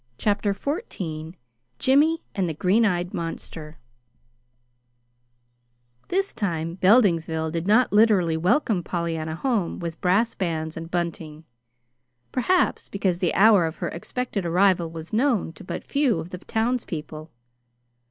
CHAPTER XIV JIMMY AND THE GREEN EYED MONSTER This time Beldingsville did not literally welcome Pollyanna home with brass bands and bunting perhaps because the hour of her expected arrival was known to but few of the townspeople.